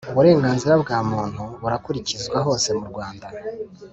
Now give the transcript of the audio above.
Uburenganzira bwa Muntu burakurikizwa hose mu Rwanda